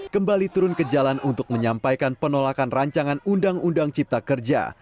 kembali turun ke jalan untuk menyampaikan penolakan rancangan undang undang cipta kerja